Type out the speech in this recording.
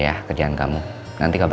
tapi dia udah ditopi